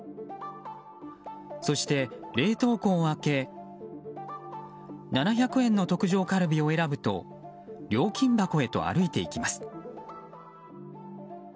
そして、冷凍庫を開け７００円の特上カルビを選ぶと料金箱へと歩いていきます。